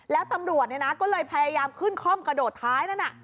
แล้วตำรวจก็เลยพยายามขึ้นคล่อมกระโดดท้ายนั่นน่ะ